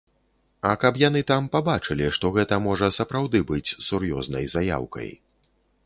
А каб яны там пабачылі, што гэта можа сапраўды быць сур'ёзнай заяўкай.